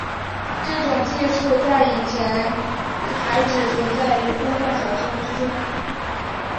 这种技术在以前还只存在于科幻小说之中。